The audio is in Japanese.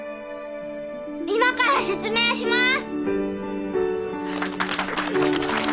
今から説明します！